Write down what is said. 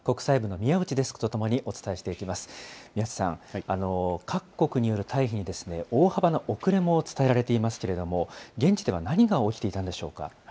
宮内さん、各国による退避にですね、大幅な遅れも伝えられていますけれども、現地では何が起きていたんでしょうか。